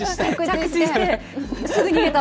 すぐ逃げた？